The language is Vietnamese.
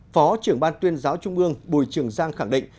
phó trưởng ban tuyên giáo trung ương bùi trường giang khẳng định